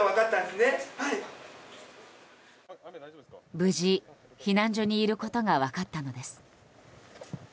無事、避難所にいることが分かったのです。